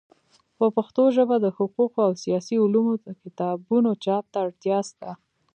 په پښتو ژبه د حقوقو او سیاسي علومو د کتابونو چاپ ته اړتیا سته.